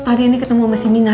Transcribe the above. tadi ini ketemu sama si mina